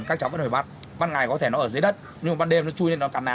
các cháu phải hỏi bắt bắt ngày có thể nó ở dưới đất nhưng mà bắt đêm nó chui lên nó cắn ná